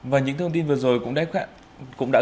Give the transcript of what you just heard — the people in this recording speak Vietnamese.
và những thông tin vừa rồi cũng đã